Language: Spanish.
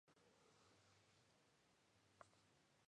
Además tienden a romperse antes si son utilizadas sobre cuerdas gruesas.